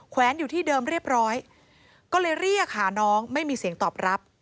แวนอยู่ที่เดิมเรียบร้อยก็เลยเรียกหาน้องไม่มีเสียงตอบรับ